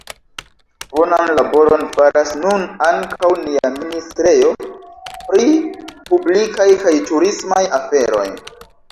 Bonan laboron faras nun ankaŭ nia ministrejo pri publikaj kaj turismaj aferoj.